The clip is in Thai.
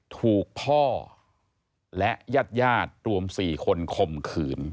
ถูกพ่อและญาติรวม๔คนคมขืน